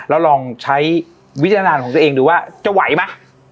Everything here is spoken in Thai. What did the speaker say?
แล้วลองใช้วิจารณญาณของตัวเองดูว่าจะไหวไหม